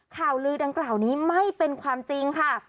ข่าวลือดังกล่าวนี้ไม่เป็นความจริงค่ะ